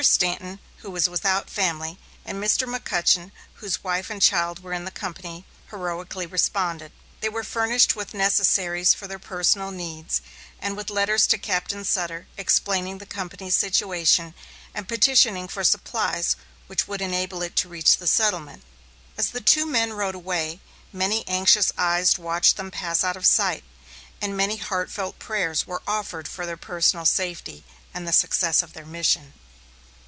Stanton, who was without family, and Mr. McCutchen, whose wife and child were in the company, heroically responded. They were furnished with necessaries for their personal needs, and with letters to Captain Sutter, explaining the company's situation, and petitioning for supplies which would enable it to reach the settlement. As the two men rode away, many anxious eyes watched them pass out of sight, and many heartfelt prayers were offered for their personal safety, and the success of their mission.